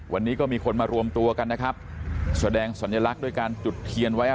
วันนี้ก็มีคนมารวมตัวกันนะครับแสดงสัญลักษณ์ด้วยการจุดเทียนไว้